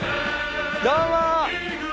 どうも。